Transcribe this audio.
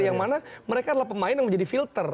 yang mana mereka adalah pemain yang menjadi filter